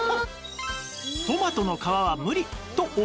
トマトの皮は無理！と思いきや